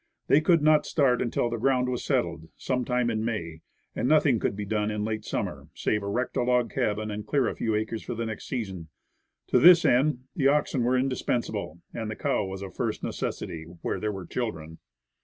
They could not start until the ground was settled, some time in May, and nothing could be done in late summer, save to erect a log cabin, and clear a few acres for the next season. To this end the oxen were indispensable, and a cow was of first necessity, where there were children.